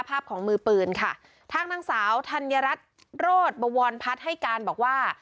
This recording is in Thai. ภาพของมือปืนค่ะทางนางสาวธัญรัฐโรธบวรพัฒน์ให้การบอกว่า